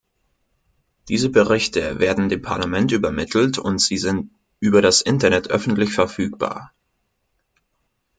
Diese Berichte werden dem Parlament übermittelt und sie sind über das Internet öffentlich verfügbar.